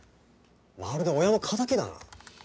まるで親の敵だな。